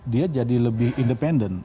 dia jadi lebih independen